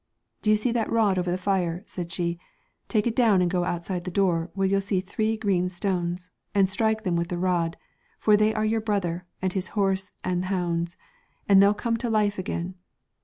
' Do you see that rod over the fire ?' said she ;' take it down and go outside the door where you'll see three green stones, and strike them with the rod, for they are your brother, and his horse and hounds, and they'll come to life again.'